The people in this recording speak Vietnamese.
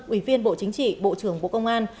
ủy viên bộ chính trị bộ trưởng bộ công an